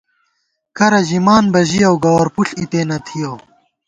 کرہ ژِمان بہ ژِیَؤ ، گوَر پُݪ اِتے نہ تھِیَؤ